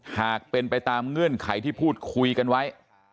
หากเป็นไปตามเงื่อนไขที่พูดคุยกันไว้